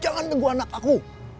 jangan teguh anak aku